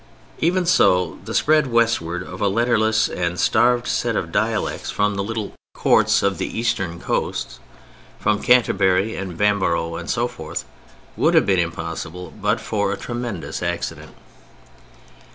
Even so the spread westward of a letterless and starved set of dialects from the little courts of the eastern coasts (from Canterbury and Bamborough and so forth) would have been impossible but for a tremendous accident.